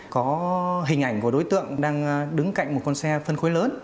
có hình ảnh của đối tượng đang đứng cạnh một con xe phân khối lớn